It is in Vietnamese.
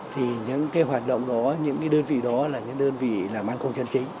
thì những cái hoạt động đó những cái đơn vị đó là những đơn vị là mang công chân chính